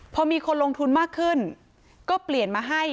พอมีคนลงทุนมากขึ้นก็เปลี่ยนมาให้